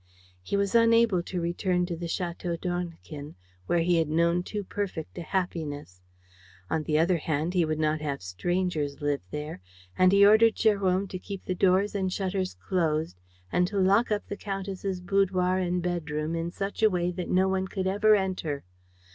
He was unable to return to the Château d'Ornequin, where he had known too perfect a happiness; on the other hand, he would not have strangers live there; and he ordered Jérôme to keep the doors and shutters closed and to lock up the Countess' boudoir and bedroom in such a way that no one could ever enter.